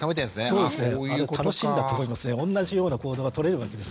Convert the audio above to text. そうですね。